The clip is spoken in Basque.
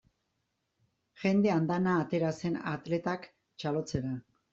Jende andana atera zen atletak txalotzera.